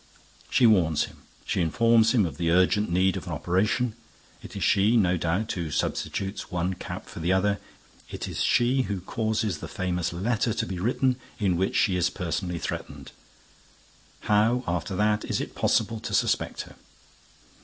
She warns him. She informs him of the urgent need of an operation. It is she, no doubt, who substitutes one cap for the other. It is she who causes the famous letter to be written in which she is personally threatened. How, after that, is it possible to suspect her?